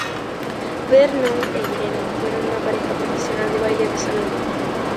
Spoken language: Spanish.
Vernon e Irene fueron una pareja profesional de baile de salón.